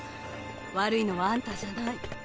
悪いのはあんたじゃない。